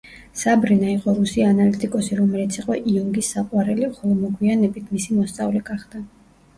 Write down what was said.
საბრინა იყო რუსი ანალიტიკოსი, რომელიც იყო იუნგის საყვარელი, ხოლო მოგვიანებით, მისი მოსწავლე გახდა.